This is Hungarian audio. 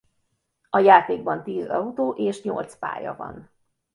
A játékban tíz autó és nyolc pálya van.